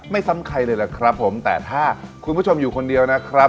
ซ้ำใครเลยล่ะครับผมแต่ถ้าคุณผู้ชมอยู่คนเดียวนะครับ